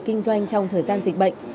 kinh doanh trong thời gian dịch bệnh